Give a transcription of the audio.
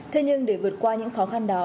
thế nhưng để vượt qua những khó khăn đó